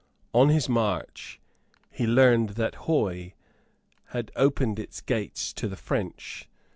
On his march he learned that Huy had opened its gates to the French.